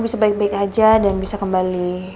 bisa baik baik aja dan bisa kembali